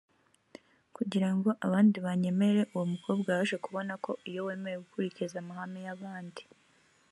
kugira ngo abandi banyemere uwo mukobwa yaje kubona ko iyo wemeye gukurikiza amahame y abandi